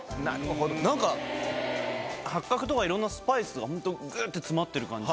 なんか、八角とかいろんなスパイスが本当、ぐって詰まってる感じ。